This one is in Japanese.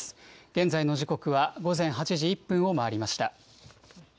現在の時刻は午前８時１分を回りました。